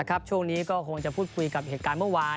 ช่วงนี้ก็คงจะพูดคุยกับเหตุการณ์เมื่อวาน